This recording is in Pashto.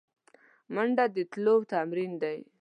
منډه د تلو تمرین دی